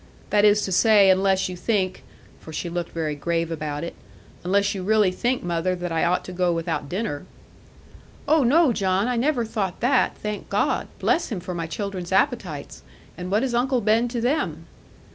That is to say, unless you think' for she looked very grave about it 'unless you really think, mother, that I ought to go without dinner.' 'Oh no, John, I never thought that, thank God! Bless Him for my children's appetites; and what is Uncle Ben to them?'